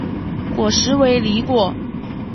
果实为离果。